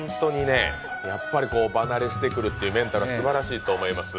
やっぱり場慣れしてくるというメンタルはすばらしいと。